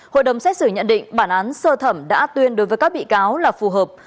hội đồng xét xử nhận định bản án sơ thẩm đã tuyên đối với các bị cáo là phù hợp